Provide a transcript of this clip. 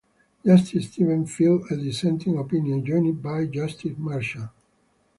Justice Stevens filed a dissenting opinion, joined by Justice Marshall.